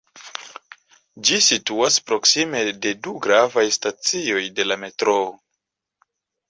Ĝi situas proksime de du gravaj stacioj de la metroo.